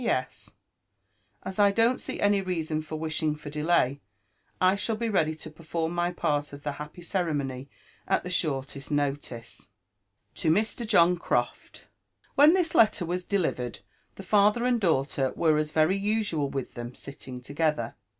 '< P.S. As I don't see any reason for wishing for delay, i shall be ready to perform my part of the happy ceremony at the shortest notice. To Mr. John Croft." JONATHAN JEFFERSON WHITLAW. «J6 When this letter was delivered, the father aqd daughter were, as was very usual with them, sitting together.